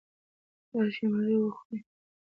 راشئ مړې وخورئ.